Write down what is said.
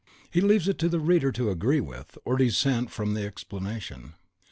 He leaves it to the reader to agree with, or dissent from the explanation.